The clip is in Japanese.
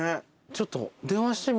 ちょっと。